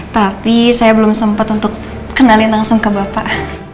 tapi saya belum sempat untuk kenalin langsung ke bapak